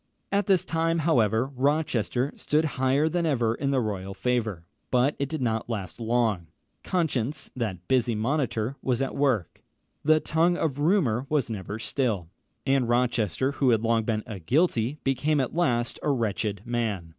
At this time, however, Rochester stood higher than ever in the royal favour; but it did not last long conscience, that busy monitor, was at work. The tongue of rumour was never still; and Rochester, who had long been a guilty, became at last a wretched man.